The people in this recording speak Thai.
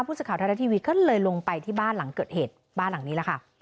สื่อข่าวไทยรัฐทีวีก็เลยลงไปที่บ้านหลังเกิดเหตุบ้านหลังนี้แหละค่ะ